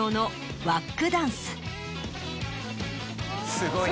すごいな。